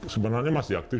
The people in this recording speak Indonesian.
sebenarnya masih aktif